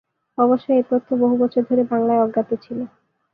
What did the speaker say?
অবশ্য এ তথ্য বহু বছর ধরে বাংলায় অজ্ঞাত ছিল।